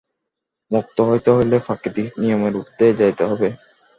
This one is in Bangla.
মুক্ত হইতে হইলে প্রাকৃতিক নিয়মের ঊর্ধ্বে যাইতে হইবে।